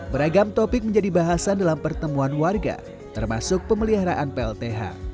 beragam topik menjadi bahasan dalam pertemuan warga termasuk pemeliharaan plth